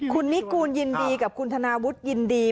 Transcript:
คุณนิกูลยินดีกับคุณธนาวุฒิยินดี